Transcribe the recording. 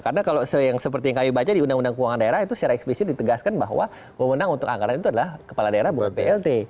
karena kalau seperti yang kami baca di undang undang keuangan daerah itu secara eksplisit ditegaskan bahwa pemenang untuk anggaran itu adalah kepala daerah buat plt